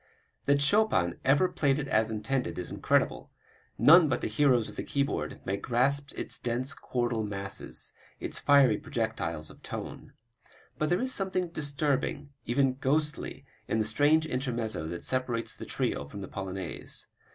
That Chopin ever played it as intended is incredible; none but the heroes of the keyboard may grasp its dense chordal masses, its fiery projectiles of tone. But there is something disturbing, even ghostly, in the strange intermezzo that separates the trio from the polonaise.